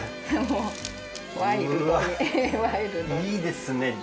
うわいいですね。